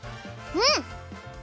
うん。